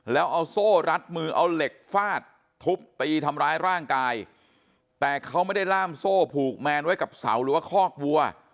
แล้วเอาโซ่รัดมือเอาเหล็กฟาดทุบตีทำร้ายร่างกายแต่เขาไม่ได้ล่ามโซ่ผูกแมนไว้กับเสาหรือว่าคอกวัว